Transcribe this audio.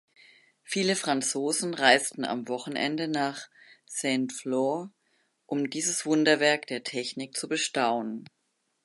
Viele Franzosen reisten am Wochenende nach Saint-Flour, um dieses Wunderwerk der Technik zu bestaunen.